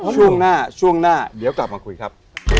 ช่วงหน้าช่วงหน้าเดี๋ยวกลับมาคุยครับ